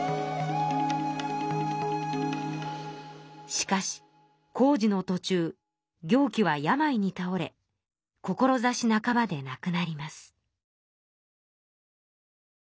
しかし工事のとちゅう行基は病にたおれ志半ばでなくなります。